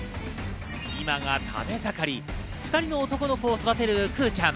今が食べ盛り、２人の男の子を育てるくぅちゃん。